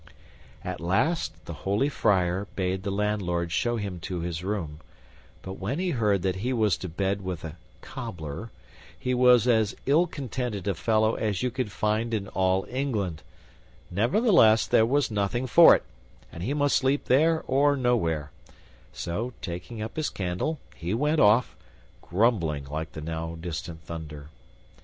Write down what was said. At last the holy friar bade the landlord show him to his room; but when he heard that he was to bed with a cobbler, he was as ill contented a fellow as you could find in all England, nevertheless there was nothing for it, and he must sleep there or nowhere; so, taking up his candle, he went off, grumbling like the now distant thunder.